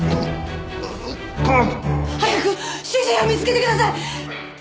早く主人を見つけてください！